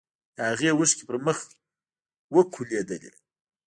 د هغې اوښکې په مخ وکولېدلې.